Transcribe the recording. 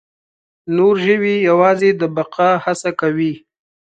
نور ژوي یواځې د بقا هڅه کوي.